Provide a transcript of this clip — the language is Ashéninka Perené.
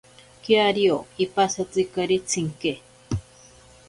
Kiario ipasatzikari tsinke.